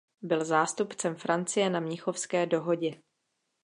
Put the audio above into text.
Byl zástupcem Francie na Mnichovské dohodě.